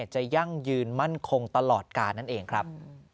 ยั่งยืนมั่นคงตลอดกาลนั่นเองครับ